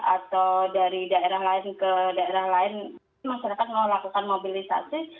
atau dari daerah lain ke daerah lain masyarakat mau lakukan mobilisasi